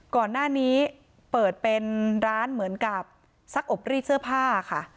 ก่อนหน้านี้เปิดเป็นร้านเหมือนกับซักอบรีดเสื้อผ้าค่ะ